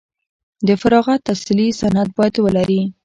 د فراغت تحصیلي سند باید ولري.